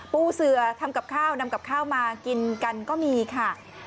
ปูเสือทำกับข้าวนำกับข้าวมากินกันก็มีค่ะ